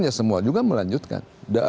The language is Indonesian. ya semua juga melanjutkan